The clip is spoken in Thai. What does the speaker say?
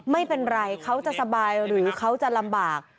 ไม่เป็นไรเขาจะสบายหรือเขาจะลำบาก